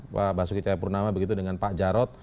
pak basuki cahayapurnama begitu dengan pak jarod